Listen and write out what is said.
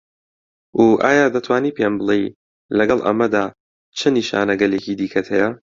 و ئایا دەتوانی پێم بڵێی لەگەڵ ئەمەدا چ نیشانەگەلێکی دیکەت هەیە؟